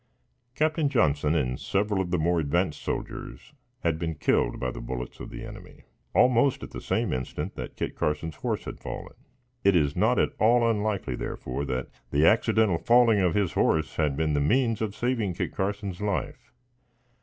Captain Johnson and several of the more advanced soldiers had been killed by the bullets of the enemy, almost at the same instant that Kit Carson's horse had fallen. It is not at all unlikely, therefore, that the accidental falling of his horse had been the means of saving Kit Carson's life.